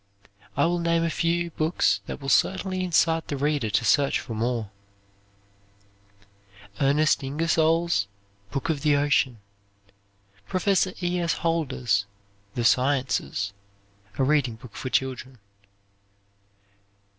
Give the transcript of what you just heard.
I will name a few books that will certainly incite the reader to search for more: Ernest Ingersoll's "Book of the Ocean." Professor E. S. Holder's "The Sciences," a reading book for children.